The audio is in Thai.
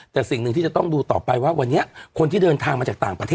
แต่สิ่งหนึ่งที่จะต้องดูต่อไปว่าวันนี้คนที่เดินทางมาจากต่างประเทศ